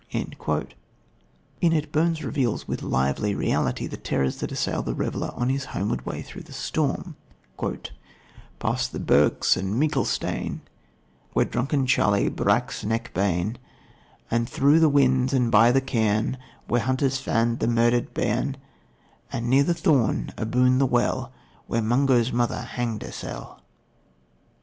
In it Burns reveals with lively reality the terrors that assail the reveller on his homeward way through the storm: "Past the birks and meikle stane Where drunken Charlie brak's neck bane; And through the whins, and by the cairn Where hunters fand the murdered bairn And near the thorn, aboon the well Where Mungo's mither hanged hersell."